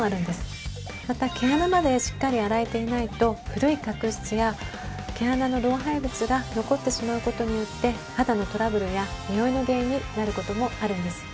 また毛穴までしっかり洗えていないと古い角質や毛穴の老廃物が残ってしまう事によって肌のトラブルやにおいの原因になる事もあるんです。